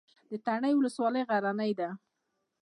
د تڼیو ولسوالۍ غرنۍ ده